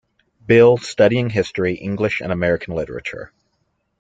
Bill, studying history, English and American literature.